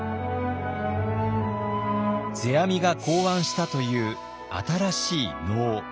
世阿弥が考案したという新しい能。